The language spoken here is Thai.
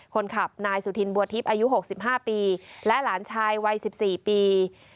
คนขับนายสุธินบัวทิพย์อายุ๖๕ปีและหลานชายวัย๑๔ปี